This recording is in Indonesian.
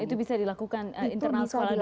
itu bisa dilakukan internal sekolah dulu ya